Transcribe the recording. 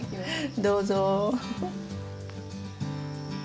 どうぞ。